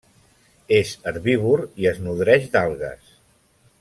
És herbívor i es nodreix d'algues.